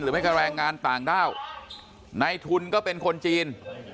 ไม่ก็แรงงานต่างด้าวในทุนก็เป็นคนจีน